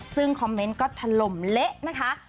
ซึ่งคอมเมนต์ก็ถล่มเละนะคะ